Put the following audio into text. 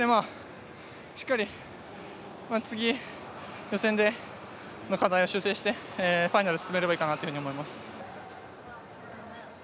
しっかり次予選での課題を修正して、ファイナル進めればいいかなと思います。